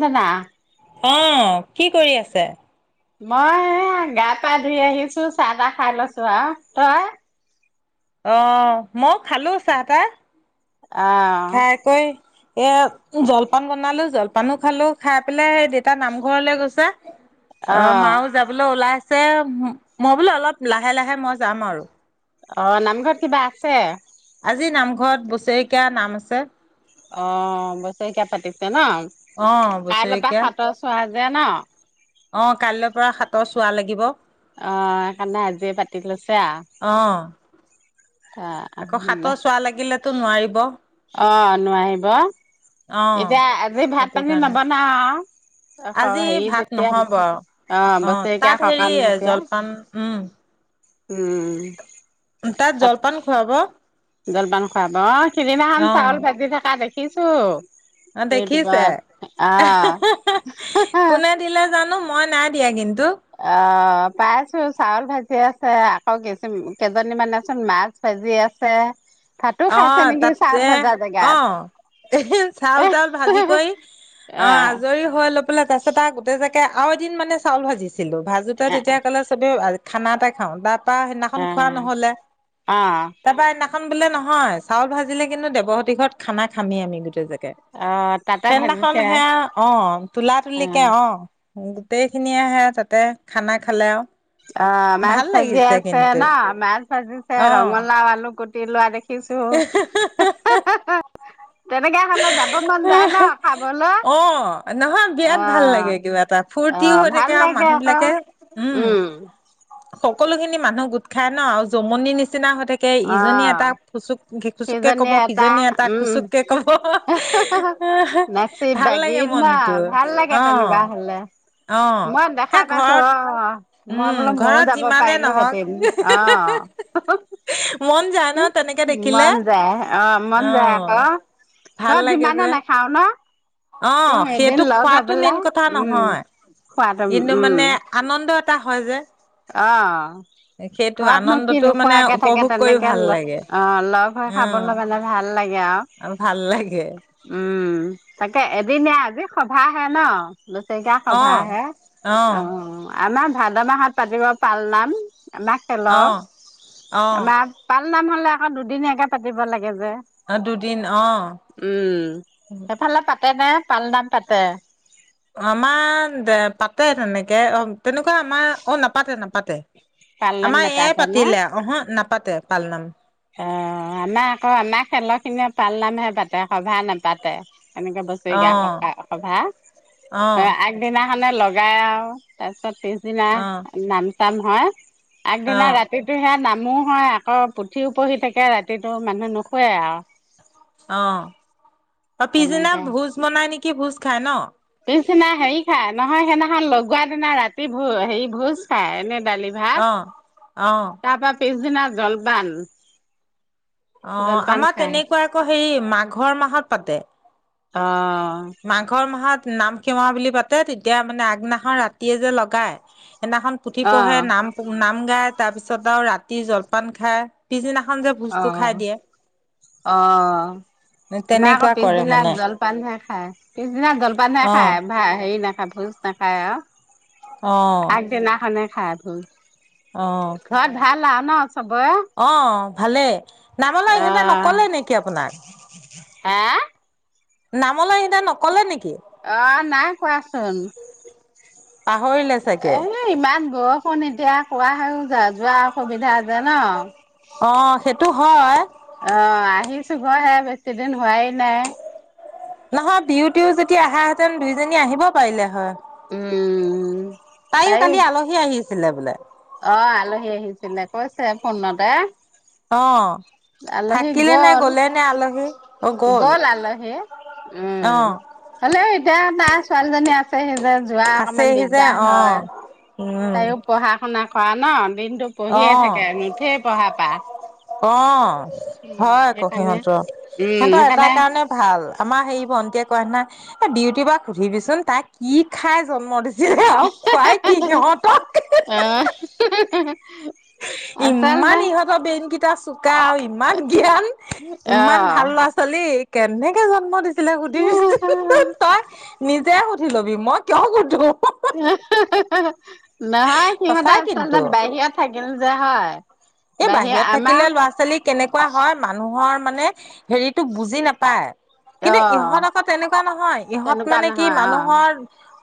না না অ কি কৰি আছে? মই এ গা পা ধুই আহিছো চাহ তাহ খাই লৈছো আৰু তই? অ মই খালো চাহ তাহ। আহ। খাই কৈ এ জলপান বনালো জলপানো খালো খাই পেলাই সেই দেতা নামঘৰলে গৈছে। অ আহ মাও যাবলৈ ওলাই আছে। যে মই বোলে অলপ লাহে লাহে মই যাম আৰু। অ নামঘৰত কিবা আছে? আজি নামঘৰত বছেৰেকীয়া নাম আছে। অ বছৰেকীয়া পাতিছে ন। অ কাইলৈৰ পৰা বছেৰেকীয়া হাতৰ চোৱা দিয়ে ন? অ কাইলৈ পৰা হাতৰ চোৱা লাগিব। অ সেইকাৰণে আজিয়ে পাতি লৈছো। অঁ। আকৌ আৰু হাতৰ চোৱা লাগিলেতো নোৱাৰিব। অ নোৱাৰিব। অ এতিয়া আজি ভাত সেইটো পানী কাৰণে আজি নবনাও হেৰি ভাত যেতিয়া নহ'ব অহ অ তাত বছৰেকীয়া হেৰি সকাম যেতিয়া। জলপান উম উম। তাত জলপান খুৱাব? জলপান খোৱাব। সিদিনাখন অ চাউল ভাজি থকা দেখি দেখিছো। অ এইটো দেখিছে, বাত আহ কোনে দিলে জানো মই নাই দিয়া কিন্তু। অ পাইছো চাউল ভাজি আছে আকৌ কি কেইজনী মানেচোন মাছ ভাজি আছে। ভাতো অ খাইছে নেকি চাউল তাতে ভজা জেগাত অঁ এ চাউল তাউাল ভাজি কৰি আহ আজৰি হৈ ল তাৰপছত আ গোটে যে তাকে আৰু এদিন মানে চাউল ভাজি ছিলো ভাজোতে তেতিয়া ক'লে চবে খানা এটা খাওঁ তাত পা সেইদিনাখন খোৱা আহ নহলে আহ তাৰপা সেদিখন বোলে ন নহয় চাউল ভাজিলে কিন্তু দেৱহতি ঘৰত খানা খামেই আমি গোটেই জাগ আহ তাতে সেইদিনাখন ভাজিছে সেয়া অ তোলা আহ তুলিকে অ গোটেইখিনিযয়েহে তাতে খানা খালে আৰু। অ মাছ ভাল ভাজি লাগিছে আছে কিন্তু ন মাছ ভাজিছে অ ৰঙালাও আলু কু প লোৱা দেখি খিছো। তেনেকে হলে যাব মন যায় ন খাবলৈ। অ নহয় অ, বিৰাট ভাল লাগে কিবা এটা অ ফূৰ্তিও হৈ ভাল থাকে আৰু লাগে মানুহ আকৌ, বিলাকে উম। সকলো খিনি মানুহ গোট খাই ন, আৰু জমনি নিচিনা নিচিনা হৈ থাকে ইজনী এটা অ খুচুক খুচুককে কব সিজনীয়ে এটা সিজনী এটাক উম খুচুককে কব, নাচি ভাল বাগি লাগে ন মনটো। ভাল লাগে অ, তেনেকুৱা হলে অ মই দেখা এ পাইছো ঘৰত অ মই উম বোলো ময়ো ঘৰত যাব যিমানেই নহওক পাৰিলোহেঁতেন অ মন যায় নত মন যায়। অ, মন যায় অ' আকৌ, ভাল ঘৰত লাগে যিমানে যে নাখাওঁ ন। অ, তেওঁ এদিন সেইটো লগ হৈ খোৱাটো মেইন পেলাই কথা উম নহয়। খোৱাটো কিন্তু উম মানে আনন্দ তা হয় যে। অ, সেইটো ঘৰতনো কি আনন্দটো মানে নোখোৱাকে থাকে উপভোগ কৰি তেনেকে ভাল লগ লাগে অ লগ হৈ খাবলৈ গলে ভাল আৰু ভাল লাগে। উম তাকে এদিনিয়া আজি সভাহে ন। বচৰেকীয়া অ' সভাহে। অ আমাৰ ভাদ মাহত পাতিব পাল নাম। আমা খেলৰ অ' আমাৰ অ' পা পাল নাম হ'লে আকৌ দুদিনীয়াকে পাব লাগে। গে যে, দুদিন অ' উম, সেইফালে পা পাতে নে, পাল নাম পাতে। আমাৰ দে পাতে তেনেকে অ। তেনেকুৱা আমাৰ অ নাপাতে নাপা পাতে পালনাম আমাৰ এয়াই নাপাতে ন পাতিলে। ওহোঁ, না পাতে, পালনাম। অ', আমাৰ আকৌ আমাৰ খেলৰখিনিয়ে পালনামহে পাতে, সভা নাপাতে। যেনেকে বছৰেকীয়া অ' সকা, সভা। এ, অ' আগদিনা মানে লগাই, আৰু তাৰপিছত পিছ দিনা অ' নাম টান হয়। আগদিনা অ' ৰাতিটো সেইয়া নাম মোৰ হয় আকৌ প পুথিও পঢ়ি থাকে। ৰাতিটো মানুহ নুশুৱে আৰু অ', অ'। পিছদিনা তেনেকে ভোজ বনাই নি কি ভোজ খায় ন? পিছদিনা হেৰি খাই। নহয়, সেইদিনাখন লগোৱা দিনা ৰাতি ভোজ, হেৰি, ভোজ খাই এনে দালি-ভাত, অ অ তাৰপৰা পিছদিনা জলপান অ', জলপান আমাৰ খাই তেনেকুৱা আকৌ হেৰি, মাঘৰ মাহত পাতে। অ'। মাঘৰ মাহত নাম কেৱা বুলি পাতে তেতিয়া মানে আগদিনাখন ৰাতিয়ে যে লগায়। সেইদিনাখন পুথি অ পঢ়ে নাম নাম গায়। তাৰ পিছত আৰু ৰাতি জলপান খাই পিছদিনা অ' অ' আমা আকৌ তেনেকুৱা কৰে পিছবেলা মানে জলপানহে খায়। পিছদিনা জলপান হে অ খাই ভা ই। হিৰ নাখা ভোজ নাখায়া। অ আগ দিনা খনে। খাইছোন। ঘৰত ভাল আ। নাচ অহ' ভালেই নামলে ইহঁতে নকলে নেকি আপোনাক। হাৰ নামলৈ ইহঁতে নকলে নেকি? অ' নাই কোৱাচোন। পাহৰ ৰিলে ছাগে। এ ইমান বৰষুণ এতিয়া কোৱা হৈয়ো য যোৱা অসুবিধা যে ন অ', সেইটো হয়। এক্সিডেন্ট হোৱাই নাই। নহয় বিয়টিও যদি আহাহেতেন দুইজনী আহিব পাৰিলে হয়। উম। তাইও কালি আলহী আহিছ ছিলে বোলে। অ', আলহী আহিছিলে, কৈছে ফোনতে। অ আলহী থাকিলে নে গ'ল গলে নে আলহী অ গ'ল আলহী উম, অ হ'লেও এতিয়া টা ছোৱালীজনী আছেহে। যে যোৱা অকনমান আছেহি যে দিগদাৰ অ হয়। উম তাইও পঢ়া শুনা খোৱা ন' বিন অ', অ', উম হয় [unintelligible] সেইকাৰণে উম সিহঁতৰ এটা সেইকাৰণে কাৰণে ভাল, আমাৰ হেৰি ভণ্টিয়ে কয় না এ, বিউটিবাক সুধিবিচোন তাক কি খাই জন্ম দিছ [unintelligible] খুৱাই কি সিহঁতক? অ আচলতে ইমান ইহঁতৰ বেনকি কাছু কা আৰু ইমান জ্ঞান, ইমান ভাল ল'ৰা ছোৱালী। কেনেকে জন্ম দিছ [inaudible] অ সুধিবিছোন তই নিজে সু সুধি লবি মই কিয় সোধোঁ? [unintelligible] নহয় সিহঁতে সঁচাই আচলতে কিন্তু বাহিৰত থাকিল যে। হয়। এই বাহিৰ বাহিৰত থাকিলে আমাৰ ল'ৰা ছোৱালী কেনেকুৱা হয় মানুহৰ মানে হেৰিটোক বুজি নাপায়। কিন্তু ইহঁত অ' আকৌ তেনেকুৱা নহয়, ইহঁত তেনেকুৱা মানে কি নহয় অ'। মানুহৰ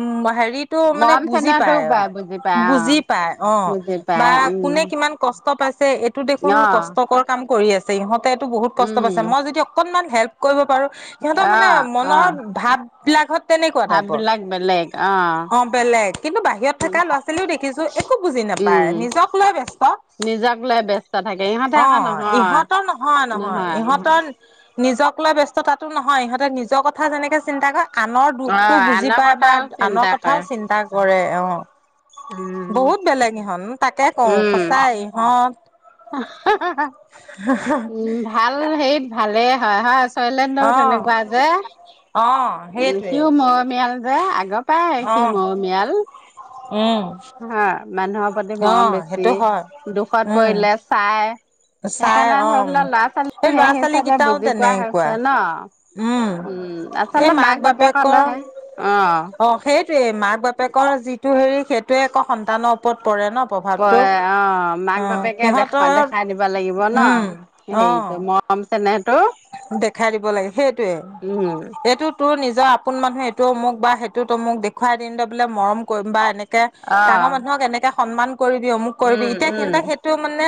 উম, হেৰ [inaudible] মানে মৰম বুজি চেনেহটো পায়, পাই বুজি পায় অ' বুজি পায় অ', বুজি বা পায় উম। কোনে কিমান কচ [unintelligible] তে এইটো দেখোন অ' কষ্টকৰ কাম কৰি আছে ইহঁত তেওঁ বহুত কষ্ট উম পাইছে, মই যদি অকনমান হেল্প কৰিব পাৰো। সিহঁতৰ মানে অ' অ' মনৰ ভাব বিলাকত তেনেকুৱা টাইপৰ, ভাববিলাক বেলেগ অ', বেলেগ কিন্তু বাহিৰত থকা ল'ৰা ছোৱালীও দেখিছোঁ একো বুজি উম নাপায়, নিজক লৈ ব্যস্ত। নিজক লৈ ব্যস্ত থাকে ইহঁতে অ আকৌ নহয়। ইহঁতৰ নহয় নহয় ইহঁতৰ নিজক ব্যস্ততাটো নহয় ইহঁতে নিজৰ কথা যেনেকে চিন্তা কৰে আনৰ দুখটো অ' বুজি আনৰ পায় বা কথাও চিন্তা আনৰ কৰে কথাও চিন্তা কৰে অ উম। বহুত বেলেগ ইহঁত তাকে কওঁ উম সঁচাই ইহঁত [unintelligible] উম ভাল সেইত ভালে হয় থয়লেণ্ডো অ তেনেকুৱা যে অ সেইটোৱে সিও মৰমীয়াল যে আগৰ পৰাই অ সি মৰমীয়াল উম হা মানুহক ওপৰতে অ মৰম বেছি সেইটো হয় দুখত উম পৰিলে চাহ খাই চাই অ ধৰি লোৱা ল'ৰা এই ছোৱালী সেই ল'ৰা ছোৱালী হিচাপে কেইটাও বুজি পোৱা তেনেকুৱা হৈছে ন উম এই আচলতে মাক বাপে বাপেকৰ কলেহে অ সেইটোৱে মাক বাপেকৰ যি টো হেৰি সেইটোৱে একৌ সন্তানৰ ওপৰত পৰে ন প প্ৰভাৱটো অ মাক অ বাপেকে দেখা সিহঁতৰ দেখাই দিব লাগিব ন উম অ হেৰিত মৰম চেনেহ দেখাই দিব লাগে সেইটোৱে উম এইটো তোৰ নিজ যে আপোন মানুহে এইটো অমুক বা সেইটোত অমোক দেখুৱাই দিওতে বোলে মৰম কৰিম বা এনে অ ডাঙৰ মানুহক এনেকা সন্মান কৰিবি অমোক কৰিবি উম এতিয়া উম সেণ্টে সেইটো মানে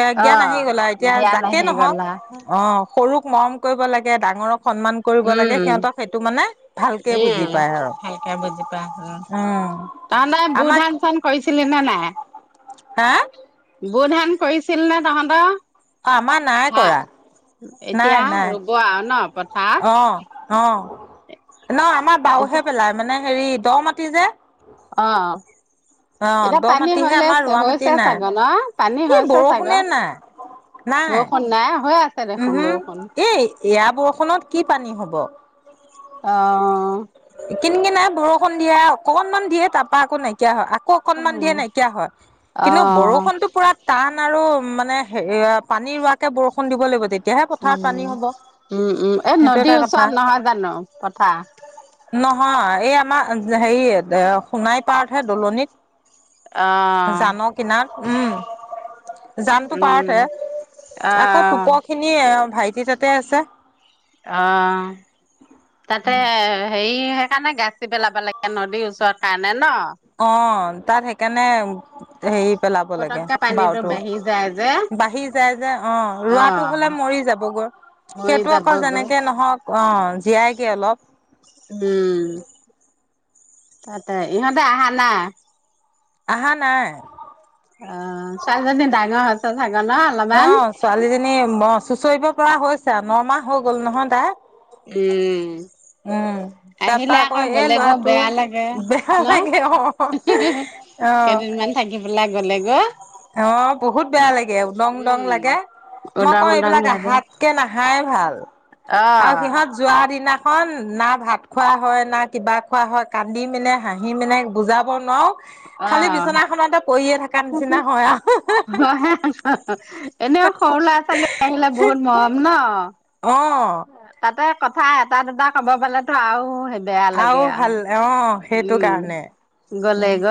এ অ জ্ঞান আহি গ'লা এতিয়া দিয়া যাকে নাহি নহওক গলা অ সৰুক মৰম কৰিব লাগে ডাঙৰক সন্মান কৰিব উম লাগে উম সিহঁতক সেইটো মানে ভালকে বুজি উম পায় আৰু ভালকে বুজি পায় উম তাৰে বু আমাক ধান চান কৰিছিলি নে নাই? হা বু ধান কৰিছিল নে তহঁতৰ? অ আমাৰ নাই হা কৰা এতিয়া ৰুব আৰু ন? কথা। অহ অ। ন? বাওহে পেলাই মানে হেৰি দ মাতি যে। অ, অ ' এতিয়া দ পানী মাটিহে হলে আমাৰ ৰোৱা মাটি হৈছে নাই চাগৈ ন, পানী এই হৈছে বৰষুণে চাগৈ, নাই বৰষুণ নাই হৈ আ উম, হম এ এয়া ব বষুণত কি পানী হ'ব? অ, ' কিন কিনাই বৰষুণ দিয়ে অকনমান দিয়ে তাৰাপা আকৌ নাইকিয়া হয় আকৌ অকনমান দিয়ে অ', নাইকিয়া হয় কিন্তু বৰষুণটো পুৰা টান আৰু উ, মানে হে পানী ৰোৱাকে বৰষুণ দিব লাগিব তেতিয়া উম, উম উম এই সেইটো এটা নদীৰ কথা ওচৰত নহয় জানো পথাৰ? নহয় এই আমাৰ হেৰি সোণাই পাৰতহে দলনিত। অ', জানৰ কিনাৰত উম জানতটো উম, পাৰতে আকৌ অ', টোপৰখিনি ভাইটি তাতে আছে। অ'। তাতে হেৰি সেইকাৰণে গাচি পেলাব লাগে নদীৰ ওচৰত কাৰণে ন। অহ, তাত সেইকাৰণে হেৰি পেলাব লাগে পতককে পানীটো বাওতটো বাঢ়ি যায় যে বাঢ়ি যায় যে আহ অ ৰোৱাটো হলে মৰি যাবগৈ মৰি সেইটো আকৌ যাবগৈ যেনেকে নহওক আহ জীয়াইগে অলপ। ততে ইহঁতে আহা নাই। আহা নাই। অ ছোৱালীজনী ডাঙৰ। [inaudible] [unintelligible] অ অলপমান ছোৱালীজনী ম চুচৰিব কৰা হৈছে নৰমাহ হৈ গ'ল নহয় তাই। উম। উম তাৰপৰা আহিলে আকৌ কয় এ গ'লে গৈ লৰাটো বেয়া লাগে বেয়া ন লাগে অ আহ কেইদিনমান থাকি পেলাই গ'লে গৈ আহ বহুত বেয়া লাগে উদং দং উম লাগে মই ক উদং উদং এইবিলাক লাগে আহাতকে নাহাই ভাল অ আৰু সিহঁত যোৱা দিনা না ভাত খোৱা হয় না কিবা খোৱা হয় কান্দি মেলনে হাঁহি মানে বুজাব নোৱাৰোঁ অ খালি বিচনাখনতে পৰিয়ে থাকে এনেও সৰু ল'ৰা ছোৱালী আহিলে বহুত মৰম ন। অ', তাতে কথা এটা দুটা ক'ব পালেতো আৰু বেয়া লাগে ভাল আৰু অ', সেইটো উম কাৰণে গলে উম, গ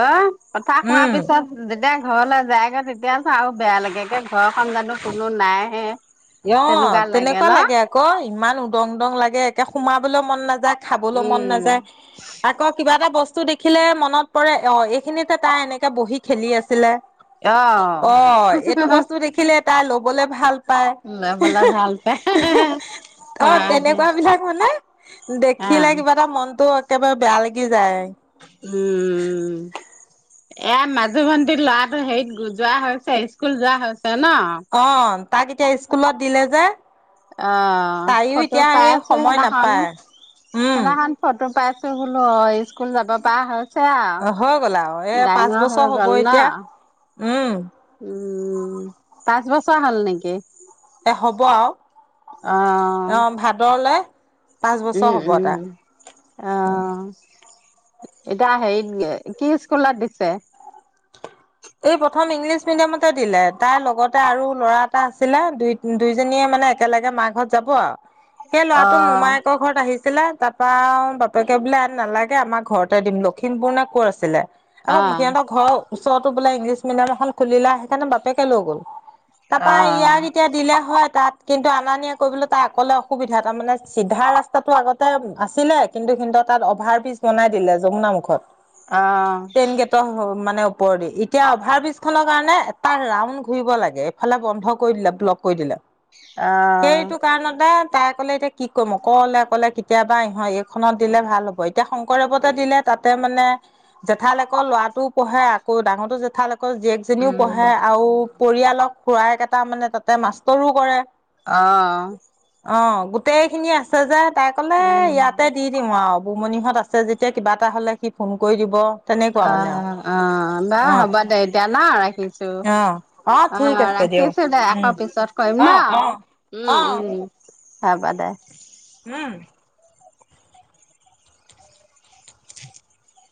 কথা কোৱাৰ উম। পিছত যেতিয়া ঘৰলৈ যায়গৈ তেতিয়াতো আৰু বেয়া লাগেগে ঘৰ ক জানো কোনো নাই হে। অ তেনেকুৱা লাগে আকৌ ইমান উদং দং লাগে একে সোমাবলৈ মন নাযায়। খাবলৈ মন উম নাযায় আকৌ কিবা এটা বস্তু বস্তু দেখিলে মনত পৰে অ এইখিনিতে তাই এনেকে বহি খেলি আছিলে। অ অ এইটো বস্তু দেখিলে তাই ল'বলে ভাল পায় অ লবলে ভাল পাই তেনেকুৱা বিলাক হলে অ দেখিলে কিবা এটা মনটো একেবাৰে বেয়া লাগি যায় উম এয়া মাজু ভন্টিৰ ল'ৰাটো হেৰিত যোৱা হৈছে স্কুল যোৱা হৈছে ন অ তাক এতিয়া স্কুলত দিলে যে অ তাইও ফটো এতিয়া পাই এই আছো সময় সেইদিনাখন নাপায় উম সেইদিনাখন ফটো পাইছ হেইবিলাই স্কুল যাব পআ হৈছে আও হৈ গ'ল আৰু এ পাঁচ ডাঙৰ হৈ বছৰ হ'ব গল ন এতিয়া উম উম পাঁচ বছৰ হাল নিকি এ হব আও অ ভাদৰলে পাঁচ বছৰ উম হ'ব তাৰ। উম অহ এতিয়া হেৰিত কি স্কুলত দিছে এই প্ৰথম ইংলিছ মিডিয়ামতে দিলে তাৰ লগতে আৰু ল'ৰা এটা আছিলে দুই দুইজনীয়ে মানে একেলগে মা ঘৰত যাব আও সেই ল'ৰাটো অ', মোমায়েকৰ ঘৰত আহিছ আছিলে তাৰপা বাপেকে বোলে নালাগে আমাৰ ঘৰতে দিম লখিমপুৰ নে কৰ আছিলে আকৌ অ', সিহঁত ঘৰ ওচৰত ত বোলে ইংলিছ মিডিয়াম এখন খুলিলা সেইকাণে বাপেকে লৈ গ'ল তা পা ইয়াক অ', এতিয়া দিলে হয় তাত কিন্তু আনা নিয়া কৰিবলৈ তাৰ অকলে অসুবিধা তাৰমানে চিধা ৰাস্তাটো আগতে আছিলে কিন্তু কিন্তু তাত অভাৰ বিজ বনাই দিলে যমুনা মুখত অ', টেইন গেটৰ সম মানে ওপৰেদি এতিয়া অভাৰ ব্ৰিজ খনৰ কাৰণে এটা ৰাউড ঘূৰিব লাগে এইফালে বন্ধ কৰি দিলে ব্লক কৰি দিলে অ', সেইটো কাৰণতে একদম তাই কলে এতিয়া কি ক'ম অকলে অকলে কেতিয়াবা ইহ এইখনত দিলে ভাল হ'ব এতিয়া শংকৰদেৱতে দিলে তাতে মানে জেঠাল আকৌ লৰাটোও পঢ়ে আকৌ ডাঙৰ এ জেঠালেক কৰ জীয়েকজনীও উম, পঢ়ে আৰু পৰিয়ালক খুৰায়েক এট তাৰ মানে তাতে মাষ্টৰো কৰে আহ অ গোটেই খিনি আছে যে তাই কলে উম। ইয়াতে দি দিম আও বুমণিহঁত আছে যেতিয়া কিবা এটা হ'লে সি ফোন কৰি দিব৷ তেনেকুৱা অ মানে অ অ হ'ব দে এতিয়া ন অ', ৰাখিছো৷ অ ঠিক আছে দিয়ক ৰাখিছো দে উম, আকৌ পিছত কৰিম ন? অ', অ', উম অ', উম হব দে৷ উম [inaudible]